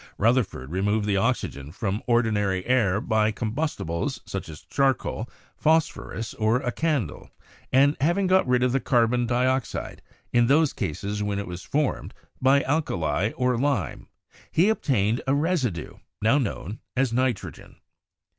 Rutherford removed the oxygen from ordinary air by combustibles such as charcoal, phos phorus, or a candle; and having got rid of the carbon dioxide, in those cases when it was formed, by alkali or lime, he obtained a residue, now known as nitrogen.